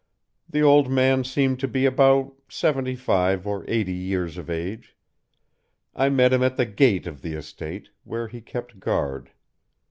The old man seemed to be about seventy five or eighty years of age. I met him at the gate of the estate, where he kept guard.